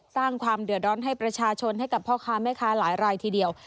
สร้างความเดือดร้อนให้ประชาชนให้กับพ่อค้าแม่ค้าหลายรายทีเดียว